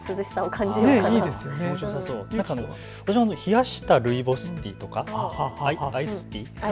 冷やしたルイボスティーとか、アイスティー。